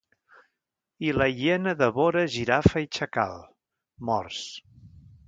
I la hiena devora girafa i xacal, morts.